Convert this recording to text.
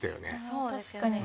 そうですね